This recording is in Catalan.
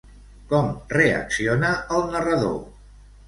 Com reacciona el narrador?